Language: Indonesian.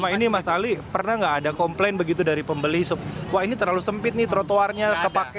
ini mas ali pernah nggak ada komplain begitu dari pembeli wah ini terlalu sempit nih trotoarnya kepake